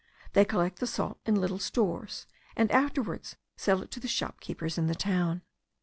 They collect the salt in little stores, and afterwards sell it to the shopkeepers in the town.